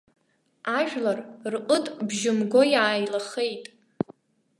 Ажәлар рҟыт бжьы мго иааилахеит.